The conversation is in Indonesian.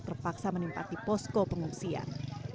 terpaksa menempati posko pengungsian